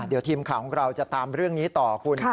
เดี๋ยวทีมข่าวของเราจะตามเรื่องนี้ต่อคุณ